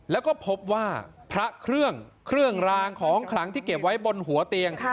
แล้วก็พบว่าพระเครื่องเครื่องรางของขลังที่เก็บไว้บนหัวเตียง